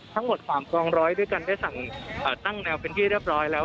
ทั้งหมด๓กองร้อยด้วยกันได้สั่งตั้งแนวเป็นที่เรียบร้อยแล้ว